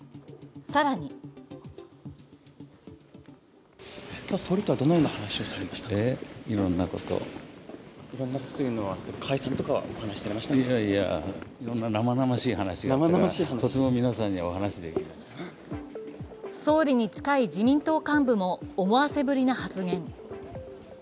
更に総理に近い自民党幹部も思わせぶりな発言。